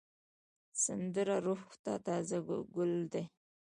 سندره روح ته تازه ګل دی